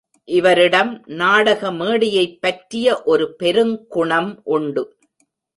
இவரிடம் நாடக மேடையைப் பற்றிய ஒரு பெருங்குணம் உண்டு.